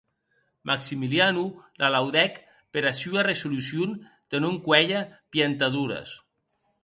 Maximiliano la laudèc pera sua resolucion de non cuélher pientadores.